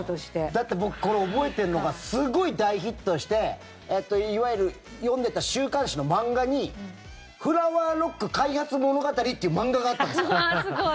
だって僕、覚えてるのがすごい大ヒットしていわゆる読んでた週刊誌の漫画に「フラワーロック開発物語」っていう漫画がすごい！